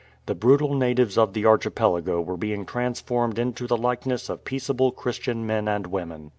The brutal natives of the Archipelago were being transformed into the likeness of peaceable Christian men and women.